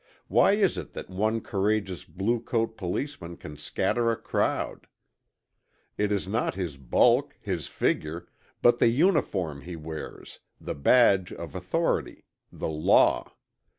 Why is it that one courageous blue coat policeman can scatter a crowd? It is not his bulk, his figure, but the uniform he wears, the badge of authority the law.